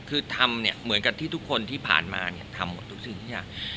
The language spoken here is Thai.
คือทำเนี่ยเหมือนกับที่ทุกคนที่ผ่านมาเนี่ยทำหมดทุกสิ่งทุกอย่าง